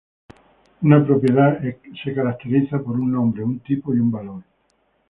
Una propiedad es caracterizada por un nombre, un tipo, y un valor.